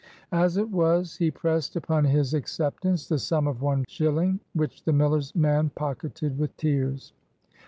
As it was, he pressed upon his acceptance the sum of one shilling, which the miller's man pocketed with tears.